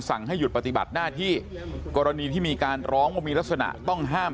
ให้หยุดปฏิบัติหน้าที่กรณีที่มีการร้องว่ามีลักษณะต้องห้าม